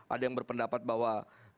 ada yang berpendapat bahwa